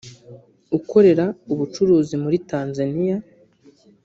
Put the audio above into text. ukorera ubucuruzi muri Tanzania